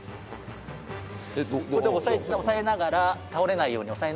こうやって押さえながら倒れないように押さえながら。